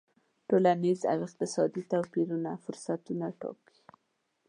ټولنیز او اقتصادي توپیرونه فرصتونه ټاکي.